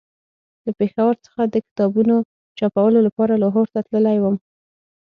له پېښور څخه د کتابونو چاپولو لپاره لاهور ته تللی وم.